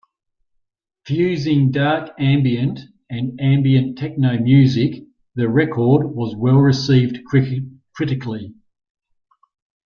Fusing Dark Ambient and Ambient Techno music, the record was well-received critically.